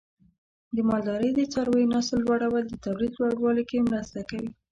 د مالدارۍ د څارویو نسل لوړول د تولید لوړوالي کې مرسته کوي.